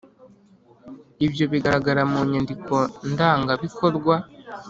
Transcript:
Ibyo bigaragara mu nyandiko ndangabikorwa